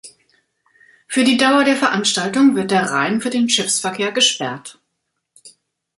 Für die Dauer der Veranstaltung wird der Rhein für den Schiffsverkehr gesperrt.